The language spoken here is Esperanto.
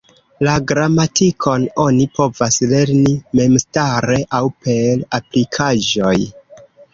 La gramatikon oni povas lerni memstare aŭ per aplikaĵoj.